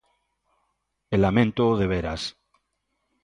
E laméntoo de veras.